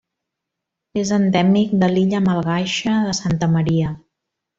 És endèmic de l'illa malgaixa de Santa Maria.